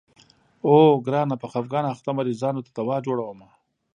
اوو ګرانه په خفګان اخته مريضانو ته دوا جوړومه.